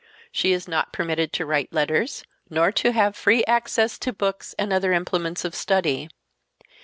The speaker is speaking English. She is not permitted to write letters, nor to have free access to books and other implements of study.